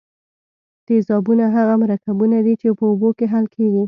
تیزابونه هغه مرکبونه دي چې په اوبو کې حل کیږي.